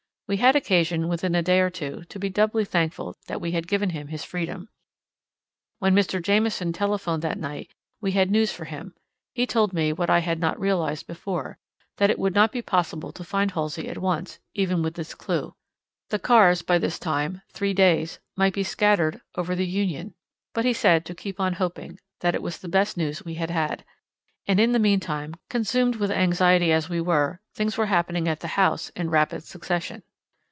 We had occasion, within a day or two, to be doubly thankful that we had given him his freedom. When Mr. Jamieson telephoned that night we had news for him; he told me what I had not realized before—that it would not be possible to find Halsey at once, even with this clue. The cars by this time, three days, might be scattered over the Union. But he said to keep on hoping, that it was the best news we had had. And in the meantime, consumed with anxiety as we were, things were happening at the house in rapid succession.